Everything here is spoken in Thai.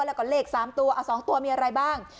แล้วก็เลขสามตัวอ่ะสองตัวมีอะไรบ้าง